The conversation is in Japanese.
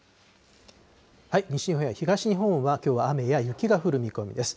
西日本や東日本は、きょうは雨や雪が降る見込みです。